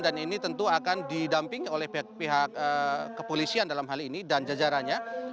dan ini tentu akan didamping oleh pihak kepolisian dalam hal ini dan jajarannya